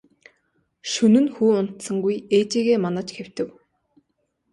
Шөнө нь хүү унтсангүй ээжийгээ манаж хэвтэв.